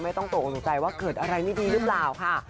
ไม่ต้องตกตกสงสัยว่าเกิดอะไรไม่ดีหรือเปล่าค่ะ